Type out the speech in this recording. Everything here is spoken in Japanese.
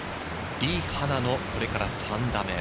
リ・ハナのこれから３打目。